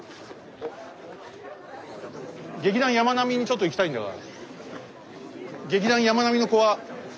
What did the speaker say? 劇団山脈にちょっと行きたいんだが。